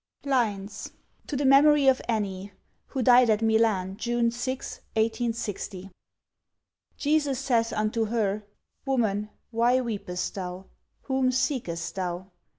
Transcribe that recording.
LINES TO THE MEMORY OF "ANNIE," WHO DIED AT MILAN, JUNE 6, 1860. "Jesus saith unto her, Woman, why weepest thou? whom seekest thou?